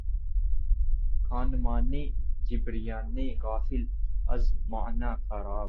خانمانِ جبریانِ غافل از معنی خراب!